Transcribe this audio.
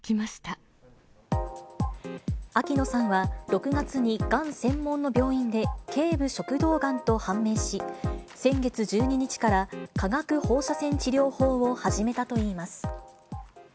秋野さんは、６月にがん専門の病院でけい部食道がんと判明し、先月１２日から化学放射線治療法を始めたといいます。